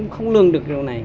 không lương được điều này